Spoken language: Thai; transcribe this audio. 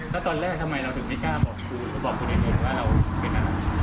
แล้วตอนแรกทำไมเราถึงไม่กล้าบอกคุณเองว่าเราเป็นอะไร